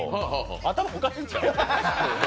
頭おかしいんちゃう？